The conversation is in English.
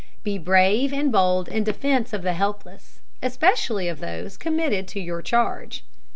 Be brave and bold in defence of the helpless, especially of those committed to your charge.